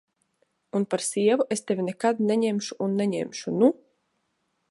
Un par sievu es tevi nekad neņemšu un neņemšu, nu!